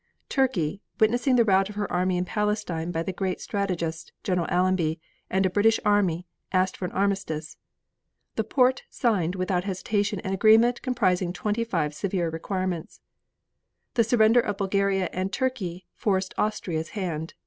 Turkey, witnessing the rout of her army in Palestine by the great strategist, General Allenby, and a British army, asked for an armistice. The Porte signed without hesitation an agreement comprising twenty five severe requirements. The surrender of Bulgaria and Turkey forced Austria's hand.